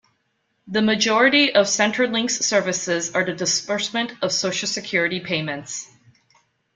The majority of Centrelink's services are the disbursement of social security payments.